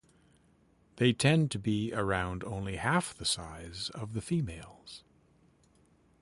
They tend to be around only half the size of the females.